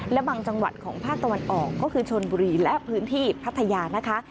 และบางจังหวัดของภาคตะวันออกก็คือชนบุรีและพื้นที่พัทยานะคะ